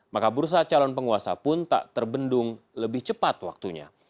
maka bursa calon penguasa pun tak terbendung lebih cepat waktunya